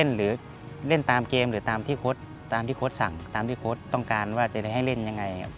เล่นหรือเล่นตามเกมหรือตามที่ตามที่โค้ดสั่งตามที่โค้ดต้องการว่าจะได้ให้เล่นยังไง